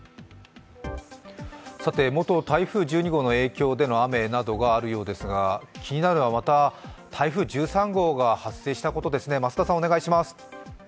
元台風１２号の影響などの雨があるようですが気になるのはまた台風１３号が発生したことですね。